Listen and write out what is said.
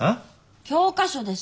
教科書です。